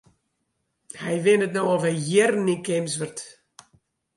Hy wennet no al wer jierren yn Kimswert.